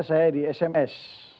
saya di sms